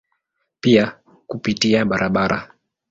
Pia kupitia barabara.